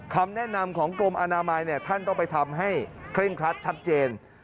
คำแนะนำของกรมอนามัยท่านต้องไปทำให้เคร่งครัดชัดเจน